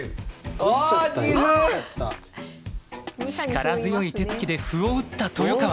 力強い手つきで歩を打った豊川。